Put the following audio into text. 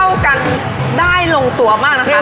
มันเข้ากันได้ลงตัวมากนะคะ